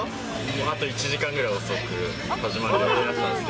あと１時間くらい遅く始まる予定だったんですけど。